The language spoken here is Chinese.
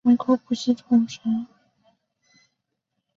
基于意大利统计局的人口普查统计。